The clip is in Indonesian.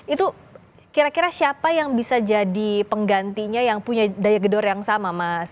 itu kira kira siapa yang bisa jadi penggantinya yang punya daya gedor yang sama mas